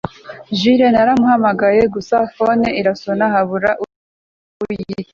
Jule naramuhamagaye gusa phone irasona habura uyitaba